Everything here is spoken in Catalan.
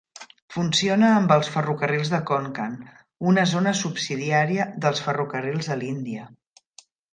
Funciona amb els ferrocarrils de Konkan, una zona subsidiària dels ferrocarrils de l'Índia.